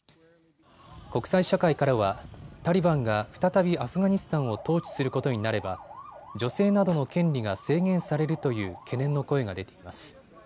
国際社会からはタリバンが再びアフガニスタンを統治することになれば女性などの権利が制限されるという懸念の声が出ています。